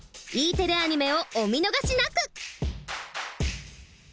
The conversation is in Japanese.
Ｅテレアニメをお見逃しなく！